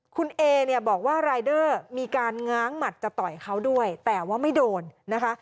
คุณเอเนี่ยบอกว่ารายเดอร์มีการง้างหมัดจะต่อยเขาด้วยแต่ว่าไม่โดนนะคะ